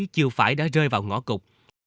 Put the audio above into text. chưa phải đã rơi vào ngõ cục